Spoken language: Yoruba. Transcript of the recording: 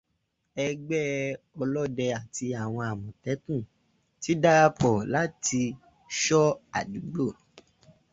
Ẹgbẹ́ ọlọ́dẹ àti àwọn Àmọ̀tẹ́kùn ti darapọ̀ láti ṣọ́ àdúgbò